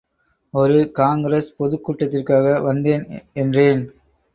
ஒரு காங்கிரஸ் பொதுக் கூட்டத்திற்காக வந்தேன் என்றேன்.